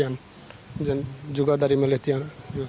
dan juga dari militer